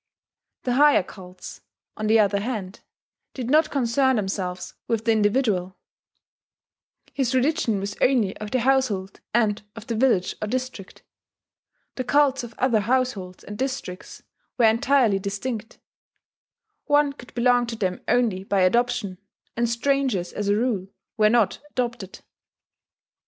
The higher cults, on the other hand, did not concern themselves with the individual: his religion was only of the household and of the village or district; the cults of other households and districts were entirely distinct; one could belong to them only by adoption, and strangers, as a rule, were not adopted.